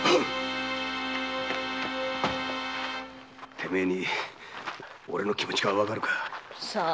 てめえに俺の気持ちがわかるか⁉さあ？